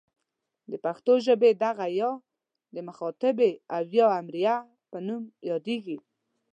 د پښتو ژبې دغه ئ د مخاطبې او یا امریه په نوم یادیږي.